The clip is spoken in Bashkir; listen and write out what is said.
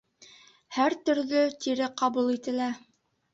Һәр төрлө тире ҡабул ителә.